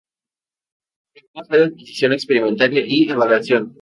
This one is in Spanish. La primera fue de adquisición, experimentación y evaluación.